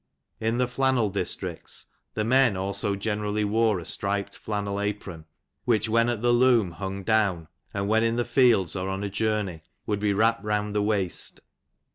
In the flannel dis tricts, the men also generally wore a striped flannel apron, which when at the loom bung down, and when in the fields, or on a journey, would be wrapped round the waist.